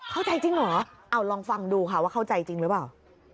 เข้าใจจริงเหรอเอาลองฟังดูค่ะว่าเข้าใจจริงหรือเปล่า